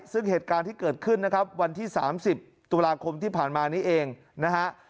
ซึ่งเหตุการณ์ที่เกิดขึ้นนะครับวันที่๓๐ตุลาคมที่ผ่านมานี้เองนะฮะ